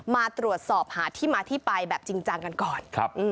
มาตรวจสอบหาที่มาที่ไปแบบจริงจังกันก่อน